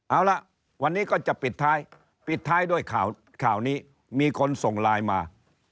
เอาละวันนี้ก็จะปิดท้ายปิดท้ายด้วยข่าวนี้มีคนส่งไลน์มา